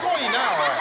おい。